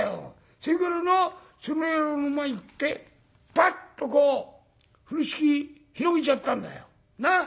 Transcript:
それからなその野郎の前行ってバッとこう風呂敷広げちゃったんだよ。なあ？